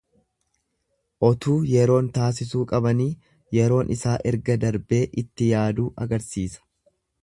Utuu yeroon taasisuu qabanii yeroon isaa erga darbee itti yaaduu agarsiisa.